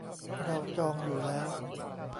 เราจองอยู่แล้ว